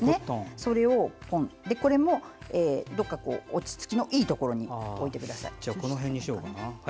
それも、落ち着きのいいところに置いてください。